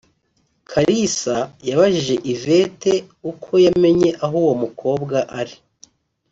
Kalisa yabajije Yvette uko yamenye aho uwo mukobwa ari